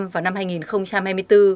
năm ba vào năm hai nghìn hai mươi bốn